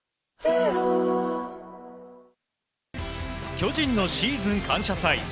巨人のシーズン感謝祭。